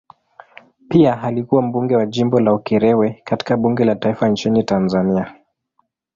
Pia alikuwa mbunge wa jimbo la Ukerewe katika bunge la taifa nchini Tanzania.